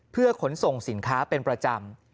เพื่อขนส่งสินค้าเป็นประจำ